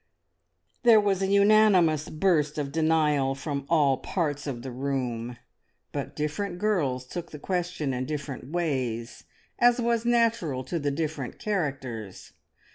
There was a unanimous burst of denial from all parts of the room; but different girls took the question in different ways, as was natural to the different characters.